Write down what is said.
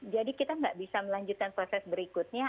jadi kita tidak bisa melanjutkan proses berikutnya